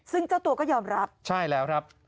ซึ่งเจ้าตัวก็ยอมรับใช่แล้วครับ